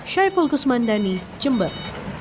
syai fulkus mandani jember